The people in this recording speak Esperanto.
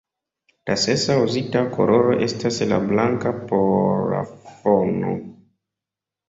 La sesa uzita koloro estas la blanka por la fono.